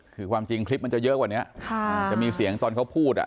คือความจริงคลิปมันจะเยอะกว่านี้จะมีเสียงตอนเขาพูดอ่ะ